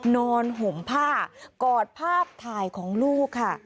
ห่มผ้ากอดภาพถ่ายของลูกค่ะ